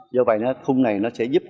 do vậy khung này nó sẽ diễn ra